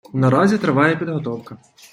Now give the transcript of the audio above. Наразі триває підготовка.